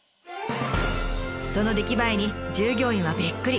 その出来栄えに従業員はびっくり。